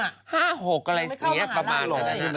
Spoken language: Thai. ๕๖อะไรเนี่ยประมาณนั้นน่ะ